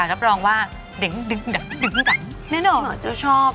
พี่หมอจะชอบ